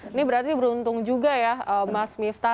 ini berarti beruntung juga ya mas miftah